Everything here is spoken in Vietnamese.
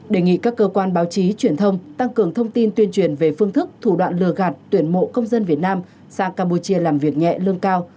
đề nghị các cơ quan báo chí truyền thông tăng cường thông tin tuyên truyền về phương thức thủ đoạn lừa gạt tuyển mộ công dân việt nam sang campuchia làm việc nhẹ lương cao